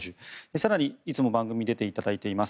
更に、いつも番組に出ていただいています